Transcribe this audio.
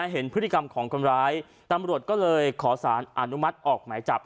เห็นพฤติกรรมของคนร้ายตำรวจก็เลยขอสารอนุมัติออกหมายจับ